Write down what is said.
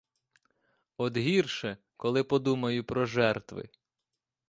От гірше, коли подумаю про жертви.